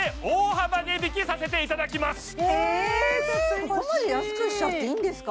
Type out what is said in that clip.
そこまで安くしちゃっていいんですか？